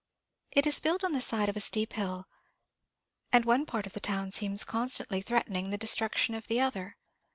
It is built on the side of a steep hill, and one part of the town seems constantly threatening the destruction of the other.